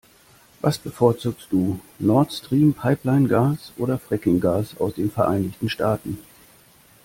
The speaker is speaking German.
Was bevorzugst du, Nord-Stream-Pipeline-Gas oder Fracking-Gas aus den Vereinigten Staaten?